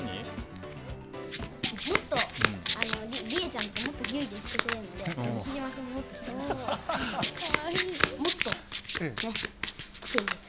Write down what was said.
もっと、りえちゃんとかもっとぎゅうぎゅうしてくれるので、西島さんにももっとしてほしいです。